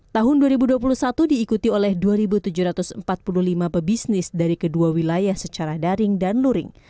tahun dua ribu dua puluh satu diikuti oleh dua tujuh ratus empat puluh lima pebisnis dari kedua wilayah secara daring dan luring